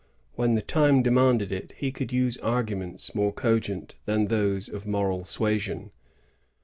When the time demanded it, he could use arguments more cogent than those of moral suasion.